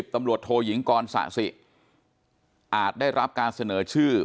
ตำรวจโทยิงกรสะสิอาจได้รับการเสนอชื่อ